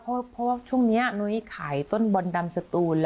เพราะว่าช่วงนี้นุ้ยขายต้นบอลดำสตูน